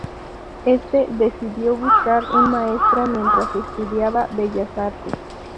Este, decidió buscar un maestro mientras estudiaba bellas artes.